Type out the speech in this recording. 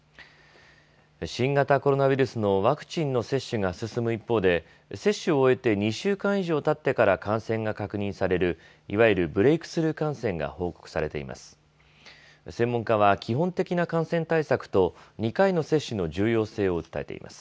新型コロナウイルスのワクチンの接種が進む一方で、接種を終えて２週間以上たってから感染が確認される、いわゆるブレイクスルー感染が報告されています。